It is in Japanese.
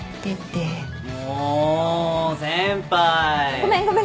ごめんごめん。